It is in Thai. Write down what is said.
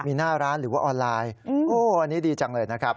มีหน้าร้านหรือว่าออนไลน์โอ้อันนี้ดีจังเลยนะครับ